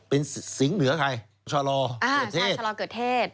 เป็นสิงห์เหนือใครชะลอเกิดเทศ